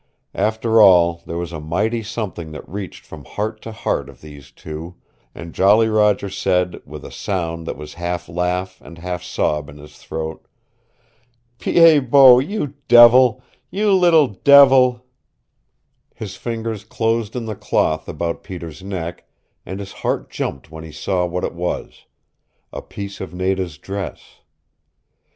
After all, there was a mighty something that reached from heart to heart of these two, and Jolly Roger said, with a sound that was half laugh and half sob in his throat, "Pied Bot, you devil you little devil " His fingers closed in the cloth about Peter's neck, and his heart jumped when he saw what it was a piece of Nada's dress.